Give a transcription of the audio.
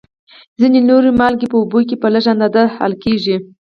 ځینې نورې مالګې په اوبو کې په لږ اندازه حل کیږي.